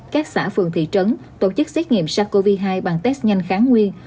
các xã phường thị trấn tổ chức xét nghiệm sars cov hai bằng test nhanh kháng nguyên